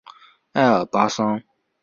爱尔巴桑。